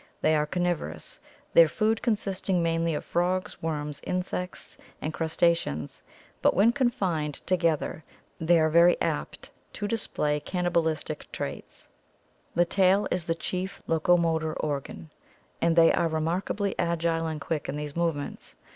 They are carnivorous, their food consisting mainly of frogs, worms, insects, and crustaceans, but when confined together they are very apt to display cannibalistic traits. The 484 ORGANIC EVOLUTION tail is the chief locomotor organ and they are remarkably agile and quick in their movements.